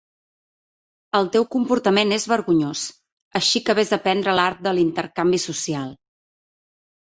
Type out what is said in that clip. El teu comportament és vergonyós, així que ves a aprendre l'art de l'intercanvi social!